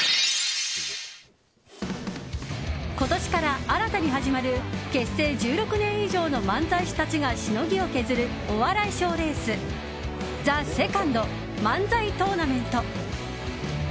今年から新たに始まる結成１６年以上の漫才師たちがしのぎを削るお笑い賞レース「ＴＨＥＳＥＣＯＮＤ漫才トーナメント」。